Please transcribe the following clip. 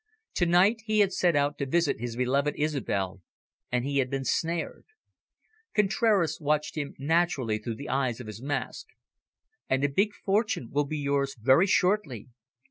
To night, he had set out to visit his beloved Isobel, and he had been snared. Contraras watched him narrowly through the holes of his mask. "And a big fortune will be yours very shortly.